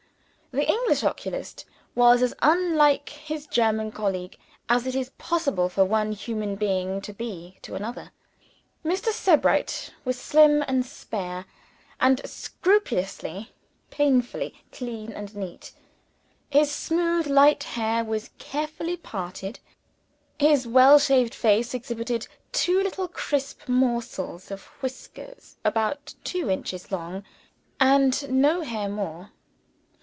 The English oculist was as unlike his German colleague as it is possible for one human being to be to another. Mr. Sebright was slim and spare, and scrupulously (painfully) clean and neat. His smooth light hair was carefully parted; his well shaved face exhibited two little crisp morsels of whisker about two inches long, and no hair more.